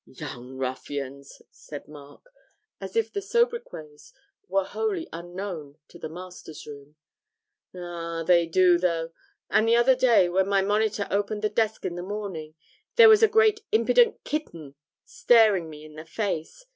'Young ruffians!' said Mark, as if the sobriquets were wholly unknown to the masters' room. 'Ah, they do though; and the other day, when my monitor opened the desk in the morning, there was a great impident kitten staring me in the face.